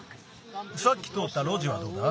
さっきとおったろじはどうだ？